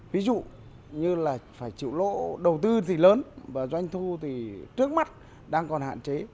ví dụ như là phải chịu lỗ đầu tư thì lớn và doanh thu thì trước mắt đang còn hạn chế